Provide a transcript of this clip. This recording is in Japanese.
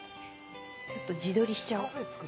ちょっと自撮りしちゃおう。